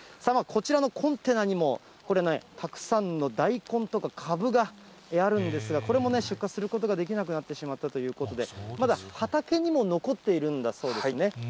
こちらのコンテナにもこれね、たくさんの大根とか、カブがあるんですが、これも出荷することができなくなってしまったということで、まだ、畑にも残っているんだそうですね。